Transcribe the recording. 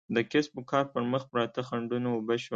د کسب و کار پر مخ پراته خنډونه اوبه شول.